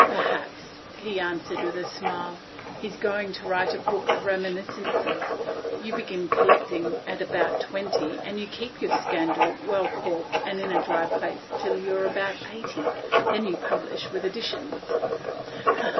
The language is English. " Perhaps," he answered with a smile, " he's going to write a book of reminiscences. You begin collecting at about twenty, and you keep your scandal, well corked and in a dry place, till you are about eighty. Then you publish, with additions."